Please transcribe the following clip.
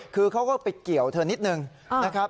คือเขาก็ไปเกี่ยวเธอนิดนึงนะครับ